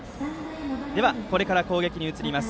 これから攻撃に移ります